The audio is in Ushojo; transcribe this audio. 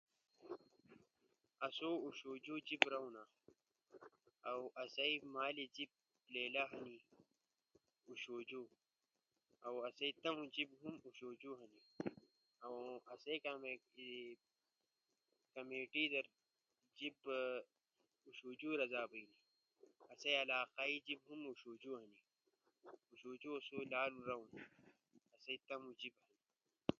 آسو اُݜوجو جیِب رؤنا۔ اؤ آسئی مالے جیب لیلا ہنی۔ اوݜوجو۔ اؤ آسئی تمو جیب ہم اوݜوجو ہنی۔ اؤ آسئی کمیونٹئی در جیب اوݜوجو رزا بئینا۔ آسئی علاقائی جیب ہم اوݜوجو ہنی، اوݜوجو لالو رزا بئینا کے تمو جیب ہنی۔